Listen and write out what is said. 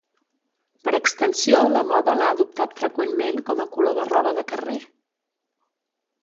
Per extensió la moda l'ha adoptat freqüentment com a color de roba de carrer.